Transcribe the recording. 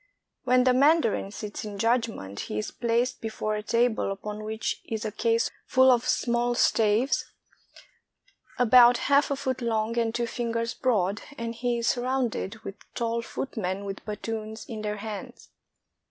When the mandarin sits in judgment, he is placed be fore a table upon which is a case full of small staves about i8i CHINA half a foot long and two lingers broad, and he is sur rounded with tall footmen with battoons in their hands.